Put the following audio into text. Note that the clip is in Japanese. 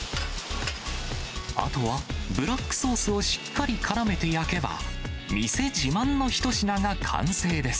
あとは、ブラックソースをしっかりからめて焼けば、店自慢の一品が完成で